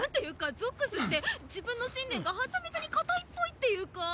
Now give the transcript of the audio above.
ゾックスって自分の信念がはちゃめちゃに固いっぽいっていうか。